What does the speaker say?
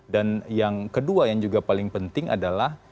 dan yang kedua yang juga paling penting adalah